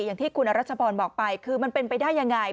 อย่างที่คุณอรัชพรบอกไปคือมันเป็นไปได้ยังไง